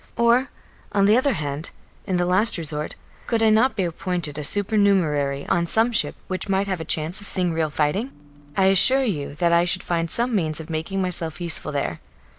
Or, on the other hand, in the last resort, could I not be appointed a supernumerary on special duty on some ship which might have a chance of seeing real fighting? I assure you that I should find some means of making myself useful there.